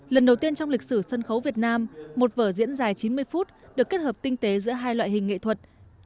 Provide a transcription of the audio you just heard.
lần đầu tiên trong lịch sử sân khấu việt nam một vở diễn dài chín mươi phút được kết hợp tinh tế giữa hai loại hình nghệ thuật